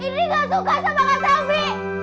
indri gak suka sama kak selvi